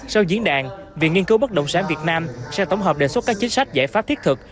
sau diễn đàn viện nghiên cứu bất động sản việt nam sẽ tổng hợp đề xuất các chính sách giải pháp thiết thực